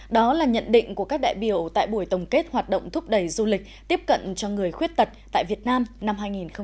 đó là nhận định của các đại biểu tại buổi tổng kết hoạt động thúc đẩy du lịch tiếp cận cho người khuyết tật tại việt nam năm hai nghìn một mươi chín